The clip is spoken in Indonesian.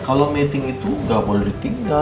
kalau meeting itu nggak boleh ditinggal